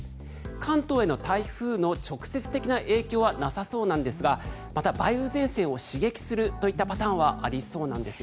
関東への台風の直接的な影響はなさそうなんですがまた梅雨前線を刺激するといったパターンはありそうなんです。